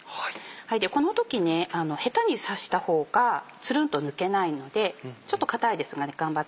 この時ヘタに刺した方がつるんと抜けないのでちょっと硬いですが頑張って。